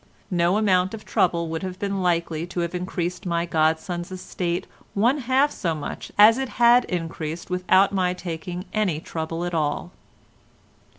No amount of trouble would have been likely to have increased my godson's estate one half so much as it had increased without my taking any trouble at all.